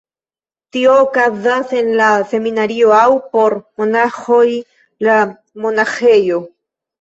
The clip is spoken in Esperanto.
Tio okazas en la seminario aŭ (por monaĥoj) la monaĥejo.